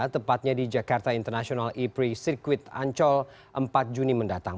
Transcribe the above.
tepatnya di jakarta international e prix circuit ancol empat juni mendatang